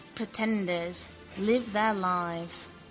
Pretenders: live their lives.